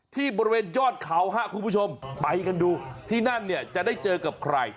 ที่บริเวณยอดเขาครับคุณผู้ชมไปกันดูที่นั่นเนี่ยจะได้เจอกับใคร